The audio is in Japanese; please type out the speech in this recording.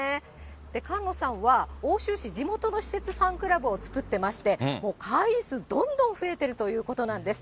菅野さんは、奥州市、地元の私設ファンクラブを作ってまして、もう会員数、どんどん増えているということなんです。